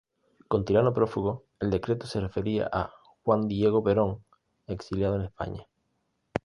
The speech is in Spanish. Con 'tirano prófugo' el decreto se refería a Juan Domingo Perón, exiliado en España.